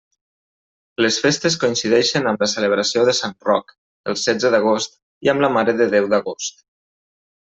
Les festes coincideixen amb la celebració de sant Roc, el setze d'agost, i amb la Mare de Déu d'Agost.